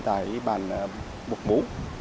tại bản bục bú